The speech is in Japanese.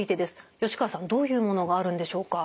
吉川さんどういうものがあるんでしょうか？